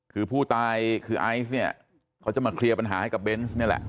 คือผู้ตายคือไอซ์เนี่ยเขาจะมาเคลียร์ปัญหาให้กับเบนส์นี่แหละ